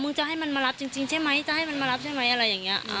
จะให้มันมารับจริงใช่ไหมจะให้มันมารับใช่ไหมอะไรอย่างนี้